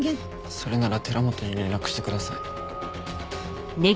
それなら寺本に連絡してください。